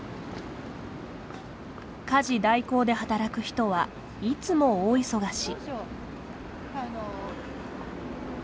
家事代行で働く人はいつも大忙し。